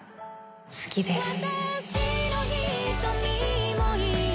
好きです